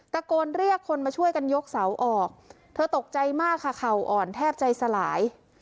ตะโกนเรียกคนมาช่วยกันยกเสาออกเธอตกใจมากค่ะเข่าอ่อนแทบใจสลาย